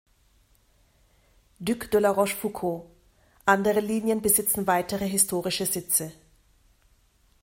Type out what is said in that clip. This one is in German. Duc de La Rochefoucauld; andere Linien besitzen weitere historische Sitze.